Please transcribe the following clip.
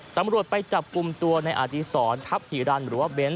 ตำรวจไปจับกลุ่มตัวในอดีศรทัพหิรันหรือว่าเบนท